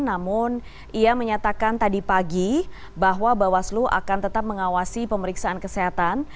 namun ia menyatakan tadi pagi bahwa bawaslu akan tetap mengawasi pemeriksaan kesehatan